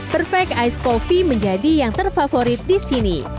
perfect ice coffee menjadi yang terfavorit di sini